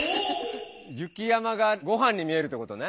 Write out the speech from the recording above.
雪山がごはんに見えるってことね。